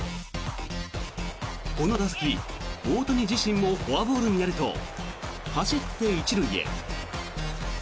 この打席、大谷自身もフォアボールになると走って１塁へ。